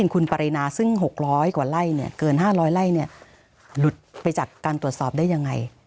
คุณปรินาซึ่ง๖๐๐กว่าไร่เกิน๕๐๐ไร่หลุดไปจากการตรวจสอบได้ยังไง